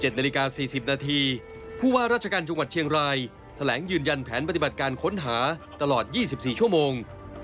นาฬิกา๔๐นาทีผู้ว่าราชการจังหวัดเชียงรายแถลงยืนยันแผนปฏิบัติการค้นหาตลอด๒๔ชั่วโมง